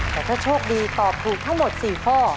แต่ถ้าโชคดีตอบถูกทั้งหมด๔ข้อ